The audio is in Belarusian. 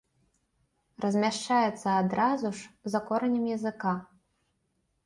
Размяшчаецца адразу ж за коранем языка.